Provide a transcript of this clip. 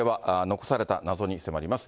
残された謎に迫ります。